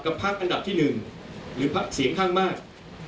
กับภาคอันดับที่๑หรือภาคเสียงข้างมาก